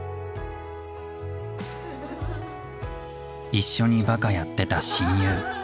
一緒にバカやってた親友。